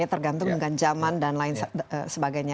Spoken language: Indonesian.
tergantung dengan zaman dan lain sebagainya